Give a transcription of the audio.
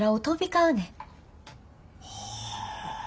はあ。